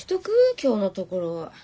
今日のところは。